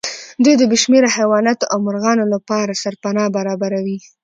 دوی د بې شمېره حيواناتو او مرغانو لپاره سرپناه برابروي.